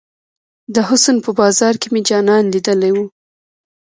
د حسن په بازار کې مې جانان ليدلی وه.